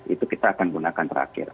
itu kita akan gunakan terakhir